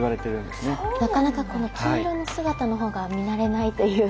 なかなかこの金色の姿の方が見慣れないという。